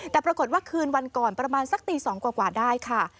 แต่ปรากฏว่าคืนวันก่อนประมาณสักตี๒กว่าได้ค่ะ